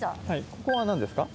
ここは何ですか？